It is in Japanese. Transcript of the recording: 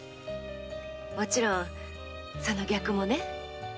もちろんその逆もね。